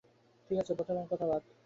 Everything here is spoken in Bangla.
ঠিকাছে, বোতামের কথা বাদ।